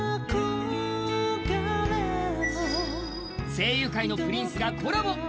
声優界のプリンスがコラボ。